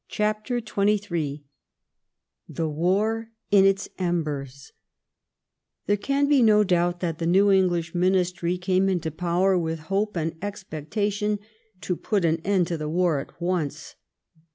xxin. CHAPTEE XXm THE WAR IN ITS EMBERS There can be no doubt that the new English Ministry came into power with hope and expectation to put an end to the war at once.